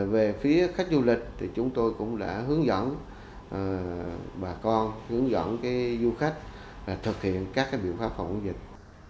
về phía khách du lịch thì chúng tôi cũng đã hướng dẫn bà con hướng dẫn du khách thực hiện các biện pháp phòng dịch